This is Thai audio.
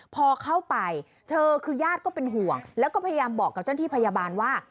พอเข้าไปเธอคือญาติก็เป็นห่วงแล้วก็พยายามบอกกับเจ้าหน้าที่พยาบาลว่า